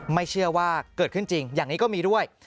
ไม่เชื่อว่าเกิดขึ้นจริงอย่างนี้ก็มีด้วย